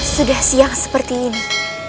sudah siang seperti ini